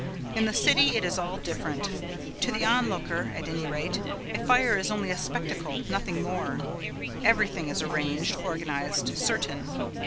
In the city it is all different. To the onlooker, at any rate, a fire is only a spectacle, nothing more. Everything is arranged, organized, certain.